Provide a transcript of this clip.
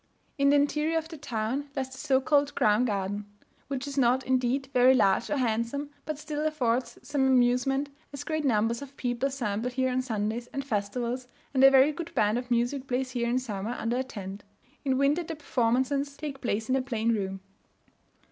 In the interior of the town lies the so called "crown garden," which is not, indeed, very large or handsome, but still affords some amusement, as great numbers of people assemble here on Sundays, and festivals, and a very good band of music plays here in summer under a tent; in winter the performances take place in a plain room.